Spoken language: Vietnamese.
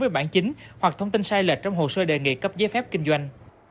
với bản chính hoặc thông tin sai lệch trong hồ sơ đề nghị cấp giấy phép kinh doanh